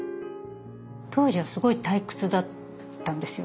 当時はすごい退屈だったんですよ。